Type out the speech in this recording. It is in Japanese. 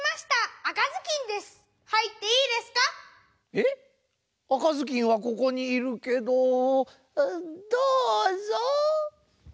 赤ずきんはここにいるけどどうぞ。